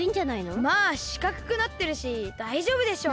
まあしかくくなってるしだいじょうぶでしょ。